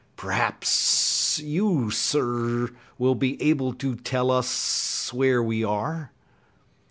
Perhaps you, Sir, will be able to tell us where we are?"